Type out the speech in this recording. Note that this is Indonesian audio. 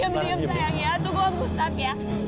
lara diam sayang tunggu gustaf ya